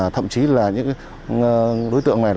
thậm chí là những đối tượng này